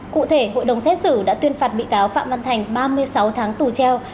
cụ thể hội đồng xét xử đã tuyên phạt bị cáo phạm văn thành ba mươi sáu tháng tù treo